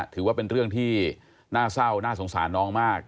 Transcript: ถือว่าเป็นเรื่องที่น่าเศร้าน่าสงสารน้องมาก